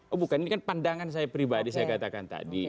oh bukan ini kan pandangan saya pribadi saya katakan tadi